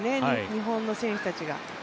日本の選手たちが。